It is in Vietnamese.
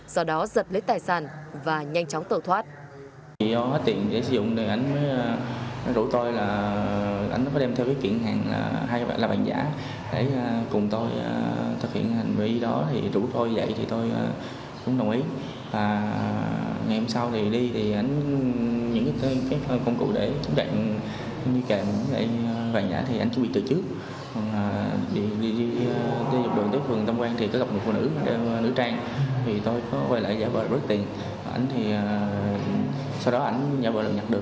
do đó giật lấy tài sản và nhanh chóng tự thoát